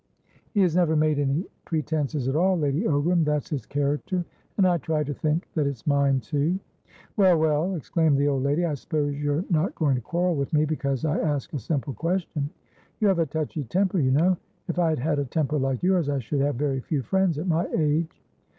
"He has never made any pretences at all, Lady Ogram. That's his character, and I try to think that it's mine too." "Well, well," exclaimed the old lady, "I suppose you're not going to quarrel with me because I ask a simple question? You have a touchy temper, you know. If I had had a temper like yours, I should have very few friends at my age."